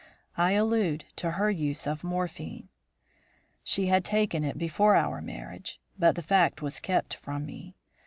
I allude to her use of morphine. "She had taken it before our marriage, but the fact was kept from me.